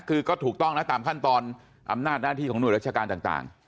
คือก็ถูกต้องนะตามขั้นตอนอำนาจหน้าที่ของหน่วยราชการต่าง